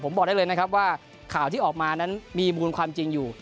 ผมบอกได้เลยนะครับว่าข่าวที่ออกมานั้นมีมูลความจริงอยู่